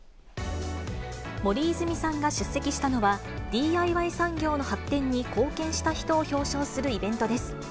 森泉さんが出席したのは、ＤＩＹ産業の発展に貢献した人を表彰するイベントです。